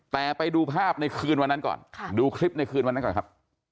แต่ไปดูภาพในคืนวันนั้นก่อนดูคลิปในคืนวันนั้นก่อนครับ